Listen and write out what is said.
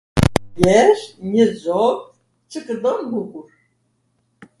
jesh njw zok qw kwndon bukur.